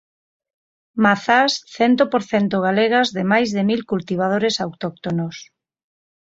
Mazás cento por cento galegas de máis de mil cultivadores autóctonos.